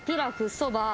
そば。